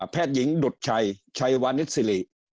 แพทย์หญิงดุดชัยชัยวานิสสิริ